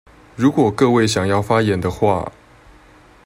如果各位想要發言的話